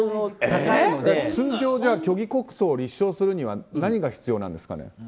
虚偽告訴を立証するには何が必要なんですか？